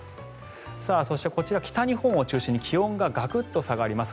こちら、北日本を中心に気温がガクッと下がります。